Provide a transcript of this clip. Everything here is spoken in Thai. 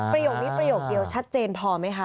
ประโยคนี้ประโยคเดียวชัดเจนพอไหมคะ